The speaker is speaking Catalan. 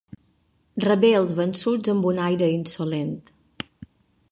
Rebé els vençuts amb un aire insolent.